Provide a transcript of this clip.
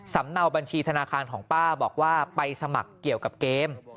เนาบัญชีธนาคารของป้าบอกว่าไปสมัครเกี่ยวกับเกม